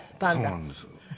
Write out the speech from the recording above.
そうなんですよ。